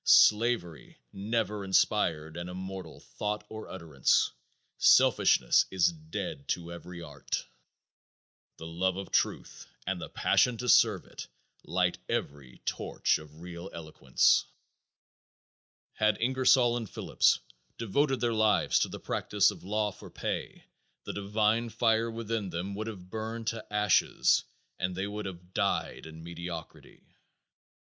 Slavery never inspired an immortal thought or utterance. Selfishness is dead to every art. The love of truth and the passion to serve it light every torch of real eloquence. Had Ingersoll and Phillips devoted their lives to the practice of law for pay the divine fire within them would have burned to ashes and they would have died in mediocrity.